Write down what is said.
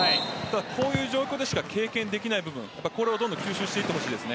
こういう状況でしか経験できない部分これを吸収していってほしいです。